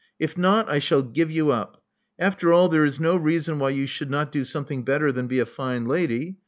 If not, I shall give you up. After all, there is no reason why you should not do something better than be a fine lady.